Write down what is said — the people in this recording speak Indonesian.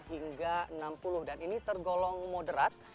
lima puluh delapan hingga enam puluh dan ini tergolong moderat